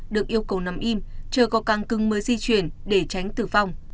được yêu cầu nằm im chờ có căng cưng mới di chuyển để tránh tử vong